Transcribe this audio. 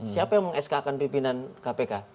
siapa yang mengeskakan pimpinan kpk